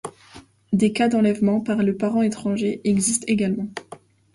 Des cas d'enlèvement par le parent étranger existent également.